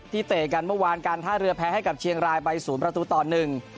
เตะกันเมื่อวานการท่าเรือแพ้ให้กับเชียงรายไปศูนย์ประตูต่อหนึ่ง